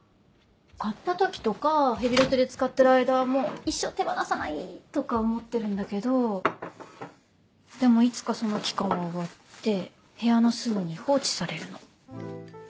買った時とかヘビロテで使ってる間はもう一生手放さないとか思ってるんだけどでもいつかその期間は終わって部屋の隅に放置されるの。